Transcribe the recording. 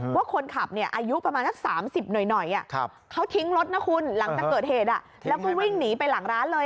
ว่าคนขับอายุประมาณสัก๓๐หน่อยเขาทิ้งรถนะคุณหลังจากเกิดเหตุแล้วก็วิ่งหนีไปหลังร้านเลย